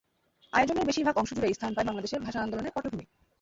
আয়োজনের বেশির ভাগ অংশ জুড়েই স্থান পায় বাংলাদেশের ভাষা আন্দোলনের পটভূমি।